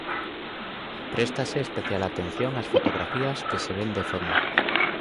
Préstase especial atención ás fotografías que se ven de fondo.